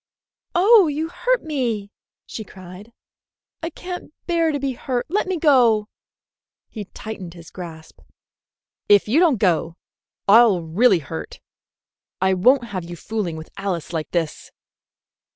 "Oh, you hurt me!" she cried. "I can't bear to be hurt! Let me go!" He tightened his grasp. "If you don't go, I'll really hurt. I won't have you fooling with Alice like this."